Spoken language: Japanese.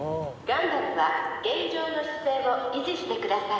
ガンダムは現状の姿勢を維持してください。